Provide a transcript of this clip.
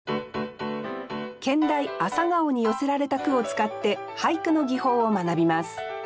兼題「朝顔」に寄せられた句を使って俳句の技法を学びます